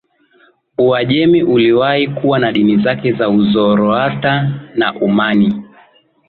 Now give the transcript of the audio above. Uajemi iliwahi kuwa na dini zake za Uzoroasta na Umani